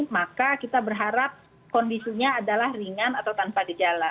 maka kita berharap kondisinya adalah ringan atau tanpa gejala